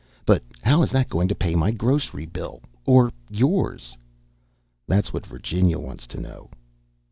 But how is that going to pay my grocery bill or yours?" "That's what Virginia wants to know."